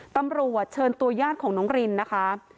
ตำรวจเชิญตัวญาติของน้องรินนะคะ